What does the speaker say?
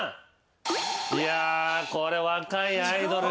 いやこれ若いアイドルが。